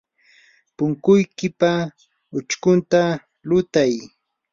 punkuykipa uchkunta lutay.